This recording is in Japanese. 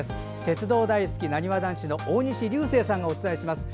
鉄道大好き、なにわ男子の大西流星さんがお伝えします。